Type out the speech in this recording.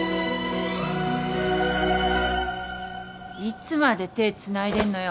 いつまで手つないでんのよ。